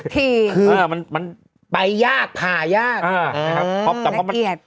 ที่มันไปยากผ่ายากนะครับ